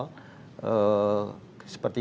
seperti kita ketahui dari sisi bank indonesia